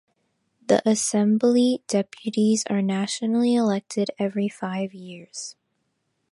The assembly deputies are nationally elected every five years.